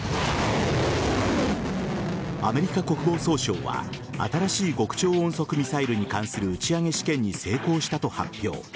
アメリカ国防総省は新しい極超音速ミサイルに関する打ち上げ試験に成功したと発表。